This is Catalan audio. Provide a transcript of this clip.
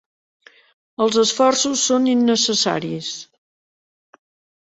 Els esforços són innecessaris.